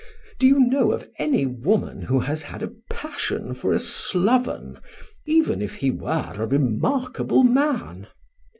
Do you know of any woman who has had a passion for a sloven, even if he were a remarkable man?